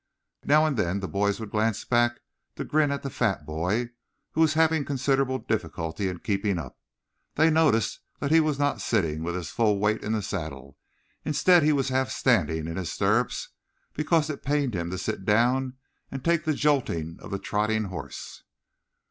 Now and then the boys would glance back to grin at the fat boy, who was having considerable difficulty in keeping up. They noticed that he was not sitting with his full weight in the saddle. Instead, he was half standing in his stirrups because it pained him to sit down and take the jolting of the trotting horse.